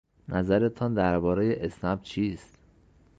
نظرتان دربارهی اسنپ چیست؟